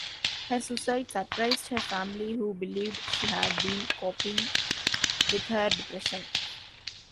Her suicide surprised her family who believed she had been coping with her depression.